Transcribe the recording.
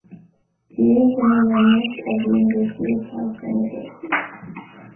Yee is an alumnus of University of California, Berkeley.